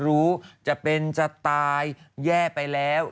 เพราะนี้คือว่าจะเป็นจะตายเฒ่ไปแล้ว